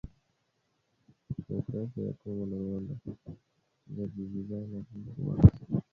Demokrasia ya Kongo na Rwanda zajibizana kuhusu waasi